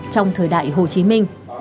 trong thời đại hồ chí minh